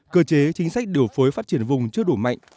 cơ chế chính sách điều phối phát triển vùng chưa đủ mạnh